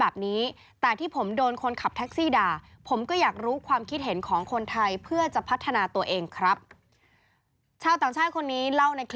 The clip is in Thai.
พี่เจอได้ไหม